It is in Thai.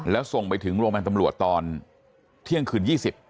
แล้วส่งไปถึงโรงพยาบาลตำรวจตอนเที่ยงคืน๒๐